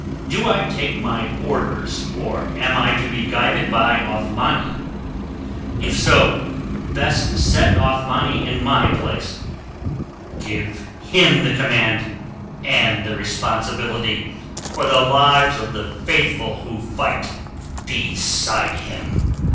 Do I take my orders or am I to be guided by Othmani? If so, best set Othmani in my place, give him the command and the responsibility for the lives of the Faithful who fight beside him."